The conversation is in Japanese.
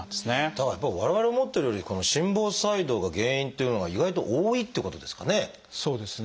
だからやっぱり我々思ってるよりこの心房細動が原因っていうのが意外と多いっていうことですかね。